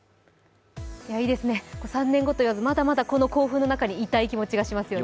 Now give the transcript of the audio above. いいですね、３年後といわずまだまだこの興奮の中にいたい気がしますよね。